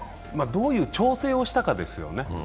どういう調整をしたかですよね。